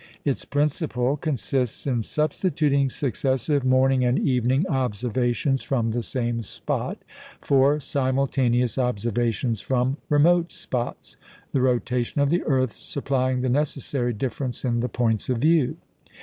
Its principle consists in substituting successive morning and evening observations from the same spot, for simultaneous observations from remote spots, the rotation of the earth supplying the necessary difference in the points of view.